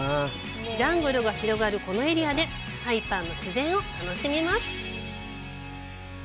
ジャングルが広がるこのエリアでサイパンの自然を楽しみます。